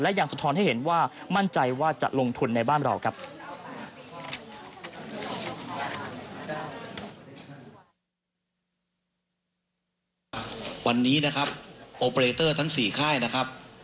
ยังสะท้อนให้เห็นว่ามั่นใจว่าจะลงทุนในบ้านเราครับ